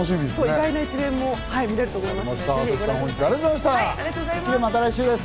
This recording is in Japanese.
意外な一面も見られると思います。